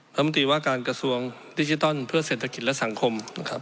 ประมศตีวาการกระทรวงดิจิทัลเพื่อเศรษฐกิจและสังคม